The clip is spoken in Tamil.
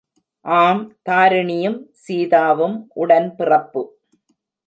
ஆம் தாரிணியும் சீதாவும் உடன்பிறப்பு!